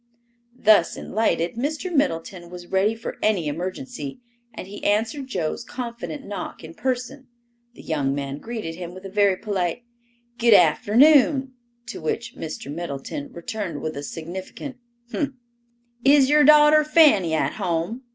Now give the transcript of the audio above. Thus enlightened, Mr. Middleton was ready for any emergency, and he answered Joe's confident knock in person. The young man greeted him with a very polite, "Good afternoon," to which Mr. Middleton returned with a significant "umph!" "Is your daughter Fanny at home?"